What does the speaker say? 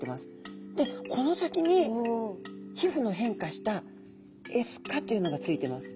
でこの先に皮膚の変化したエスカというのがついています。